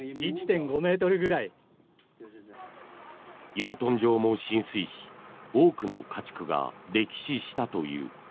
養豚場も浸水し多くの家畜が溺死したという。